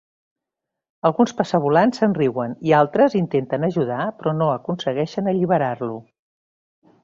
Alguns passavolants se'n riuen i altres l'intenten ajudar però no aconsegueixen alliberar-lo.